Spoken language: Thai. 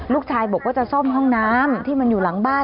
ลูกชายบอกว่าจะซ่อมห้องน้ำที่มันอยู่หลังบ้าน